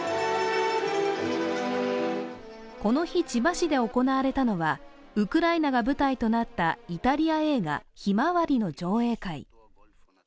この日、千葉市で行われたのはウクライナが舞台となったイタリア映画「ひまわり」の上映会。